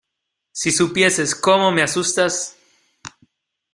¡ si supieses cómo me asustas!...